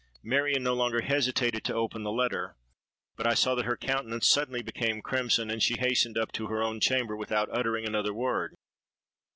Marion no longer hesitated to open the letter; but I saw that her countenance suddenly became crimson, and she hastened up to her own chamber, without uttering another word.